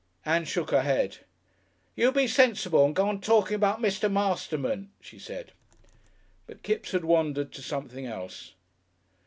Ann shook her head. "You be sensible and go on talking about Mr. Masterman," she said.... But Kipps had wandered to something else.